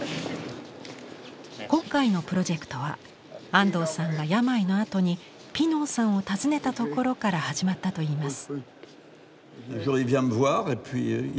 今回のプロジェクトは安藤さんが病のあとにピノーさんを訪ねたところから始まったといいます。